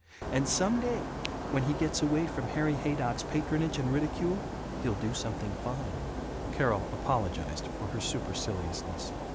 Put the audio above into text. And some day when he gets away from Harry Haydock's patronage and ridicule, he'll do something fine." Carol apologized for her superciliousness.